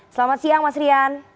selamat siang mas rian